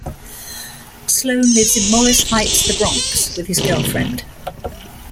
Sloan lives in Morris Heights, the Bronx with his girlfriend.